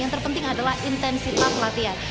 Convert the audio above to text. yang terpenting adalah intensitas latihan